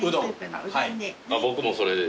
僕もそれで。